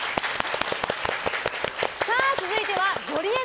続いてはゴリエの！